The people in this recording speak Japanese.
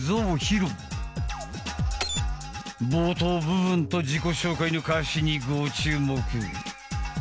冒頭部分と自己紹介の歌詞にご注目。